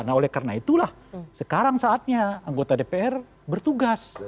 nah oleh karena itulah sekarang saatnya anggota dpr bertugas